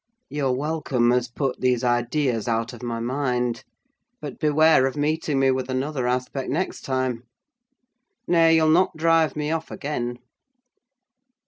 Your welcome has put these ideas out of my mind; but beware of meeting me with another aspect next time! Nay, you'll not drive me off again.